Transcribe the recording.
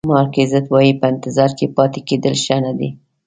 مارک ایزت وایي په انتظار کې پاتې کېدل ښه نه دي.